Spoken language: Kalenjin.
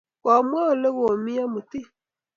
Komwa ole komi amut ii?